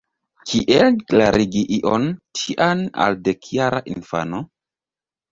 Kiel klarigi ion tian al dekjara infano?